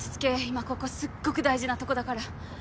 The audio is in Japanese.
今ここすっごく大事なとこだから。